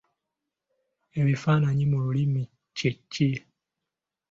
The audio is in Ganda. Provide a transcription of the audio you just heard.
Ebifaananyi mu lulimi kye ki?